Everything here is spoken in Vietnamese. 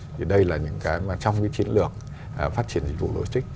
thì đây là những cái mà trong cái chiến lược phát triển dịch vụ lôi stick